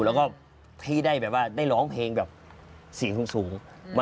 แล้วก็พี่ได้แบบว่าได้ร้องเพลงแบบเสียงสูง